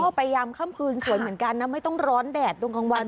ไปยามค่ำคืนสวยเหมือนกันนะไม่ต้องร้อนแดดตรงกลางวัน